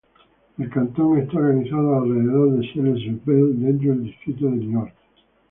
El cantón está organizado alrededor de Celles-sur-Belle dentro del Distrito de Niort.